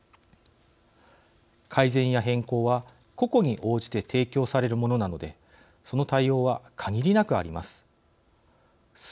改善や変更は個々に応じて提供されるものなのでその対応は限りなくあります。